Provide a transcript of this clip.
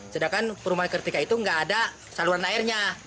sedangkan perumahan kartika itu nggak ada saluran airnya